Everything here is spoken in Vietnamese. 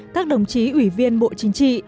các đồng chí ủy viên bộ chính trị